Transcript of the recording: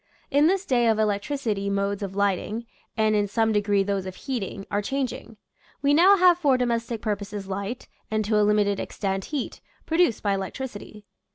In this day of elec tricity modes of lighting, and in some degree those of heating, are changing. We now have for domestic purposes light, and to a limited extent heat, produced by electricity.